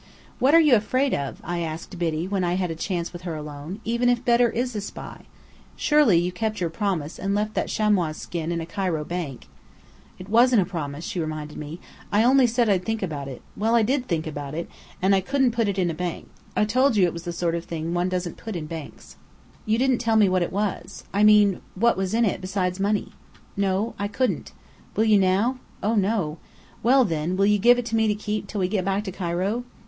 "What are you afraid of," I asked Biddy when I had a chance with her alone, "even if Bedr is a spy? Surely you kept your promise and left that chamois skin bag in a Cairo bank?" "It wasn't a promise," she reminded me. "I only said I'd think about it. Well, I did think about it, and I couldn't put it in a bank. I told you it was the sort of thing one doesn't put in banks." "You didn't tell me what it was I mean, what was in it besides money." "No, I couldn't." "Will you now?" "Oh, no!" "Well, then, will you give it to me to keep till we get back to Cairo?"